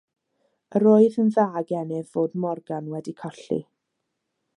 Yr oedd yn dda gennyf fod Morgan wedi colli.